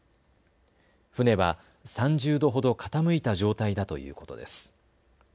船は３０度ほど傾いた状態だということです。